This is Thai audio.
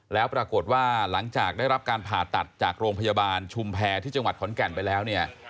แล้วปรากฏว่าหลังจากได้รับการผ่าตัดจากโรงพยาบาลชุมแพรที่จังหวัดขอนแก่นไปแล้วเนี่ย